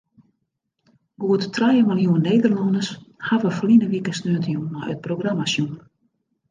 Goed trije miljoen Nederlanners hawwe ferline wike sneontejûn nei it programma sjoen.